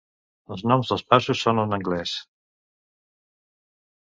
Els noms dels passos són en anglès.